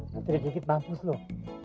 nanti dijigit mampus loh